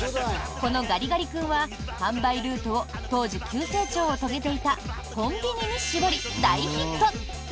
このガリガリ君は販売ルートを当時、急成長を遂げていたコンビニに絞り、大ヒット！